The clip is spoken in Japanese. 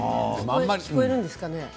聞こえるんですかね。